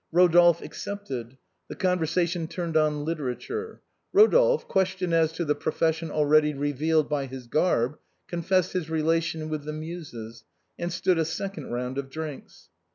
Rodolphe accepted. The conversation turned on liter ature. Rodolphe, questioned as to the profession already revealed by his garb, confessed his relation with the Muses, and stood a second round of drinks.